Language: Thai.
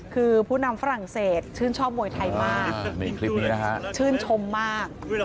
คือผู้นำฝรั่งเศสชื่นชอบมวยไทยมากนี่คลิปนี้นะฮะชื่นชมมาก